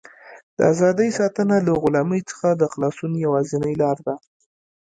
د ازادۍ ساتنه له غلامۍ څخه د خلاصون یوازینۍ لاره ده.